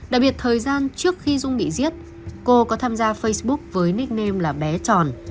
đặc biệt thời gian trước khi dung bị giết cô có tham gia facebook với nickname là bé tròn